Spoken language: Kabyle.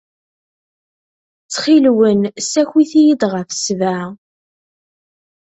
Ttxil-wen, ssakit-iyi-d ɣef ssebɛa.